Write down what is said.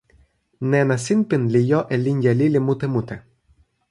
nena sinpin li jo e linja lili mute mute.